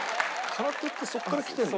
空手ってそこからきてるの？